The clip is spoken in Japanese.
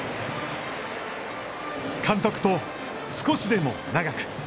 監督と少しでも長く。